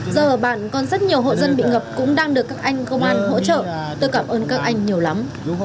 giờ ở bạn còn rất nhiều hộ dân bị ngập cũng đang được các anh công an hỗ trợ tôi cảm ơn các anh nhiều lắm